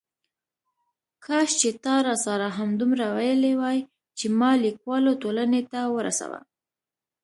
کاش چې تا راسره همدومره ویلي وای چې ما لیکوالو ټولنې ته ورسوه.